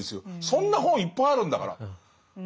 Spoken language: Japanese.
そんな本いっぱいあるんだから。